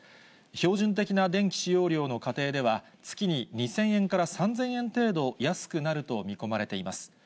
標準的な電気使用量の家庭では、月に２０００円から３０００円程度安くなると見込まれています。